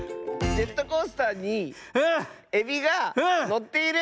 ジェットコースターにエビがのっている？